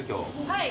はい。